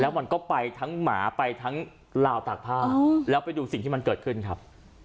มันก็ไปทั้งหมาไปทั้งลาวตากผ้าแล้วไปดูสิ่งที่มันเกิดขึ้นครับ